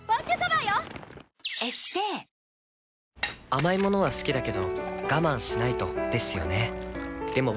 甘い物は好きだけど我慢しないとですよね